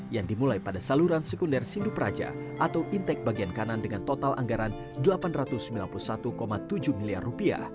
yang dimulai pada saluran sekunder sindup raja atau intek bagian kanan dengan total anggaran rp delapan ratus sembilan puluh satu tujuh miliar